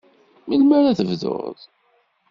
Melmi ara tebduḍ?